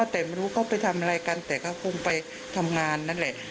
แต่ไม่รู้เขาไปทำอะไรกันแต่เขาคงไปทำงานนั่นแหละ